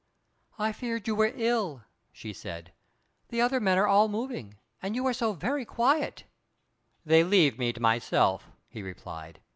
"I feared you were ill," she said. "The other men are all moving, and you are so very quiet." "They leave me to myself," he replied.